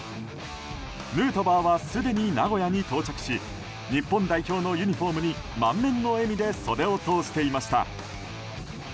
ヌートバーはすでに名古屋に到着し日本代表のユニホームに満面の笑みで袖を通していました。